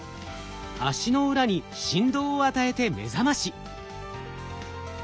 足の裏に振動を与えて目覚まし。